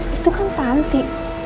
itu kan tanti